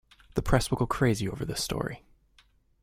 The press will go crazy over this story.